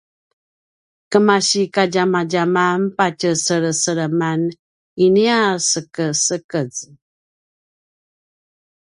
kemasi kadjamadjaman patje seleseleman inia sekesekez